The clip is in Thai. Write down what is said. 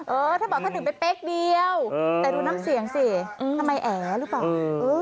เออท่านบอกท่านดื่มไปเป๊กเดียวแต่ดูน้ำเสียงสิทำไมแอหรือเปล่า